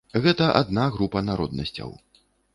Гэта адна група народнасцяў.